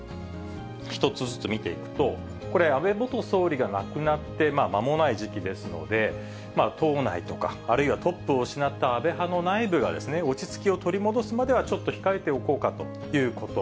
一つずつ見ていくと、これ、安倍元総理が亡くなってまもない時期ですので、党内とか、あるいはトップを失った安倍派の内部が落ち着きを取り戻すまではちょっと控えておこうかということ。